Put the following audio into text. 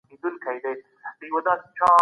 خوشحالي د ژوند مالګه ده.